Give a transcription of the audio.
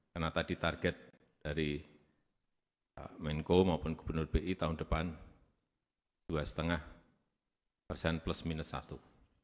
karena tadi target dari menko maupun gubernur bi tahun depan dua lima persen plus minus satu